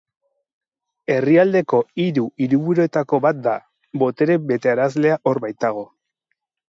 Herrialdeko hiru hiriburuetako bat da, botere betearazlea hor baitago.